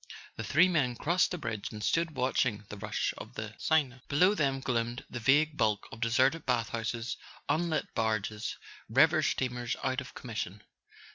The three men crossed the bridge and stood watching the rush of the Seine. Below them gloomed the vague bulk of deserted bath houses, unlit barges, river steamers out of commission.